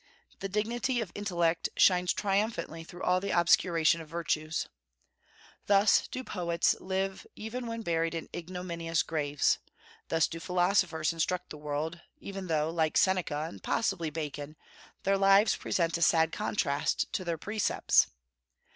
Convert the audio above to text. The dignity of intellect shines triumphantly through all the obscuration of virtues. Thus do poets live even when buried in ignominious graves; thus do philosophers instruct the world even though, like Seneca, and possibly Bacon, their lives present a sad contrast to their precepts.